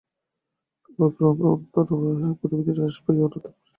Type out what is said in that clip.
তখন ক্রমে অন্তঃপুরে তাহার গতিবিধি হ্রাস হইয়া অন্যত্র প্রসারিত হইতে লাগিল।